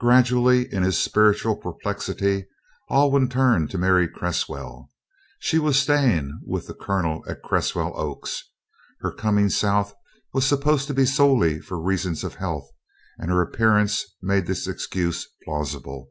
Gradually, in his spiritual perplexity, Alwyn turned to Mary Cresswell. She was staying with the Colonel at Cresswell Oaks. Her coming South was supposed to be solely for reasons of health, and her appearance made this excuse plausible.